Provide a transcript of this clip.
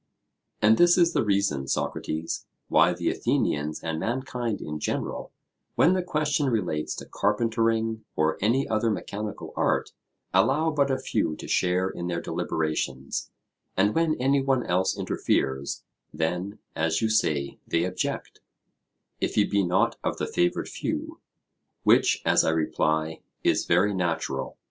And this is the reason, Socrates, why the Athenians and mankind in general, when the question relates to carpentering or any other mechanical art, allow but a few to share in their deliberations; and when any one else interferes, then, as you say, they object, if he be not of the favoured few; which, as I reply, is very natural.